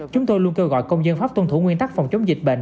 chúng tôi luôn kêu gọi công dân pháp tuân thủ nguyên tắc phòng chống dịch bệnh